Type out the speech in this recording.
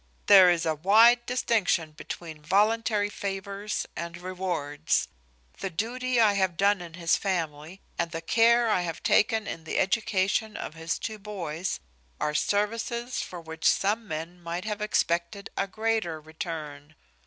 There is a wide distinction between voluntary favours and rewards. The duty I have done in his family, and the care I have taken in the education of his two boys, are services for which some men might have expected a greater return.